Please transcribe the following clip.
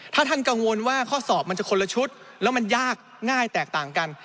ถ้าท่านกังวลว่าข้อสอบมันจะคนละชุดแล้วมันยากง่ายแตกต่างกัน